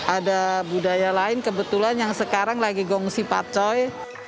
ada budaya lain kebetulan yang sekarang lagi gongsi pacoy